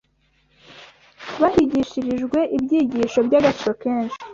bahigishirijwe ibyigisho by’agaciro kenshi